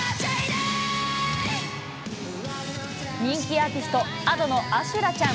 人気アーティスト、Ａｄｏの阿修羅ちゃん。